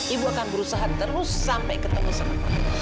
ibu akan berusaha terus sampai ketemu sama